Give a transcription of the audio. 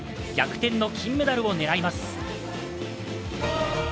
逆転の金メダルを狙います。